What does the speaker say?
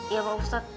iya pak ustadz